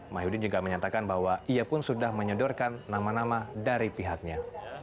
mah yudin juga menyatakan bahwa ia pun sudah menyedarkan nama nama dari pihaknya